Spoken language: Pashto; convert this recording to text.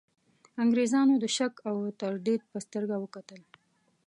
انګرېزانو د شک او تردید په سترګه وکتل.